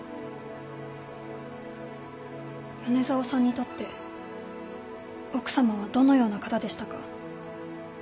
米沢さんにとって奥さまはどのような方でしたか？